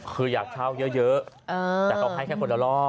คืออยากเช่าเยอะแต่เขาให้แค่คนละรอบ